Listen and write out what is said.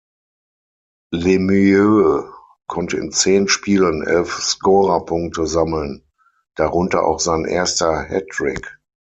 Lemieux konnte in zehn Spielen elf Scorerpunkte sammeln, darunter auch sein erster Hattrick.